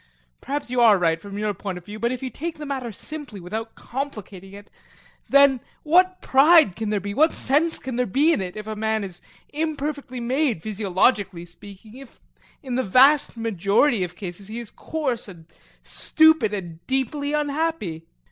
Perhaps you are right from your point of view, but if you take the matter simply, without complicating it, then what pride can there be, what sense can there be in it, if a man is imperfectly made, physiologically speaking, if in the vast majority of cases he is coarse and stupid and deeply unhappy?